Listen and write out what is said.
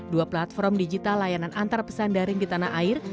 dua platform digital layanan antarpesan daring di tanah air